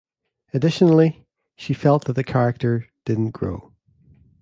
Additionally, she felt that the character "didn't grow".